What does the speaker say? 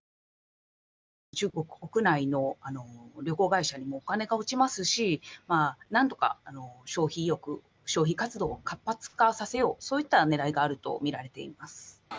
中国国内の旅行会社にもお金が落ちますし、なんとか消費意欲、消費活動を活発化させよう、そういったねらいがあると見られています。